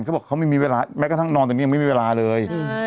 เขาบอกเขาไม่มีเวลาแม้กระทั่งนอนตอนนี้ยังไม่มีเวลาเลย